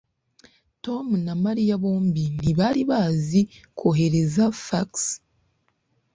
tom na mariya bombi ntibari bazi kohereza fax